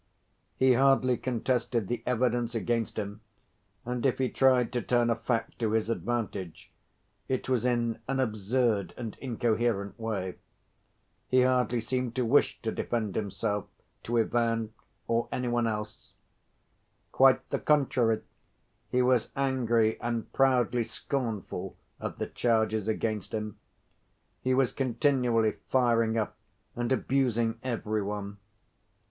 He hardly contested the evidence against him, and if he tried to turn a fact to his advantage, it was in an absurd and incoherent way. He hardly seemed to wish to defend himself to Ivan or any one else. Quite the contrary, he was angry and proudly scornful of the charges against him; he was continually firing up and abusing every one.